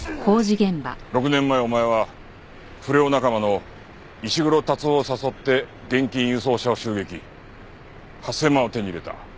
６年前お前は不良仲間の石黒竜夫を誘って現金輸送車を襲撃８０００万を手に入れた。